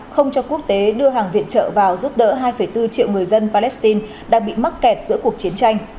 không cho quốc tế đưa hàng viện trợ vào giúp đỡ hai bốn triệu người dân palestine đang bị mắc kẹt giữa cuộc chiến tranh